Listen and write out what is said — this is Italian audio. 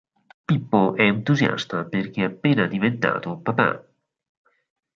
Pippo è entusiasta perché è appena diventato papà.